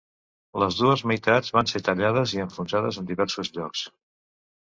Les dues meitats van ser tallades i enfonsades en diversos llocs.